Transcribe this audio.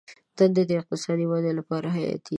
دندې د اقتصاد د ودې لپاره حیاتي دي.